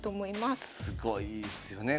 すごいですよね。